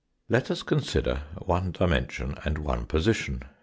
Let us consider one dimension and one position.